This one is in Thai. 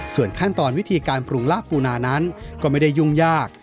ส่วนขั้นตอนวิธีการปรุงลาบปูนานั้นก็ไม่ได้ยุ่งยาก